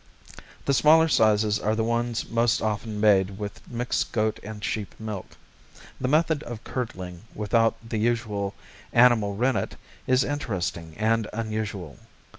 The smaller sizes are the ones most often made with mixed goat and sheep milk. The method of curdling without the usual animal rennet is interesting and unusual.